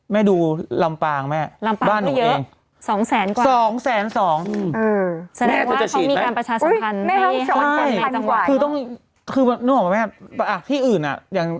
สิคุณแม่ให้ดูลำปางแม่บ้านหนูเอง